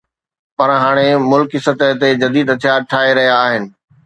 پر هاڻي ملڪ سطح تي جديد هٿيار ٺاهي رهيا آهن